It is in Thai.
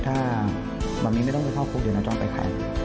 ถ้าแม่ไม่ต้องไปเข้าคุกเดี๋ยวจะไปไข่